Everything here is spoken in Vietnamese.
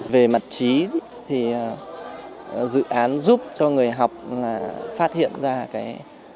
về mặt trí thì dự án giúp cho người học phát hiện ra cái